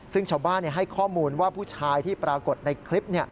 ซึ่งชาวบ้านให้ข้อมูลว่าผู้ชายที่ปรากฏในคลิป